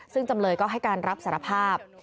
ซึ่งจำเลยก็ให้การรับสารภาพ